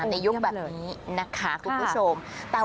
ในยุคแบบนี้นะคะคุณผู้ชม